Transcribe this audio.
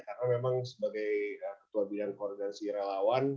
karena memang sebagai ketua bidang koordinasi relawan